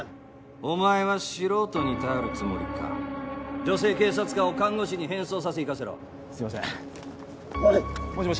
お前は素人に頼るつもりか女性警察官を看護師に変装させ行かせろすいませんおいっもしもし